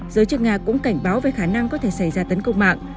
giới chức nga cũng cảnh báo về khả năng có thể xảy ra tấn công mạng